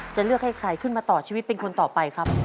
จะเลือกให้ใครขึ้นมาต่อชีวิตเป็นคนต่อไปครับ